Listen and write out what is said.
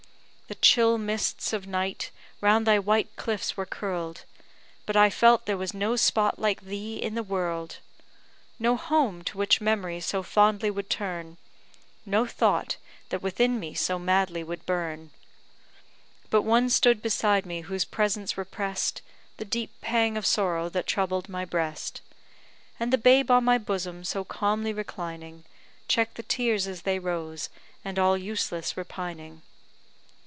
The chill mists of night round thy white cliffs were curl'd, But I felt there was no spot like thee in the world No home to which memory so fondly would turn, No thought that within me so madly would burn. But one stood beside me whose presence repress'd The deep pang of sorrow that troubled my breast; And the babe on my bosom so calmly reclining, Check'd the tears as they rose, and all useless repining.